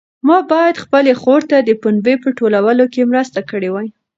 ما باید خپلې خور ته د پنبې په ټولولو کې مرسته کړې وای.